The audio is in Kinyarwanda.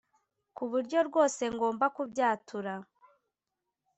kuburyo rwose ngomba kubyatura